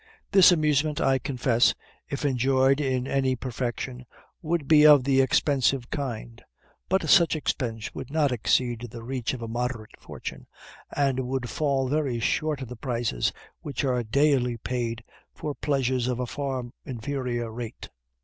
This amusement, I confess, if enjoyed in any perfection, would be of the expensive kind; but such expense would not exceed the reach of a moderate fortune, and would fall very short of the prices which are daily paid for pleasures of a far inferior rate.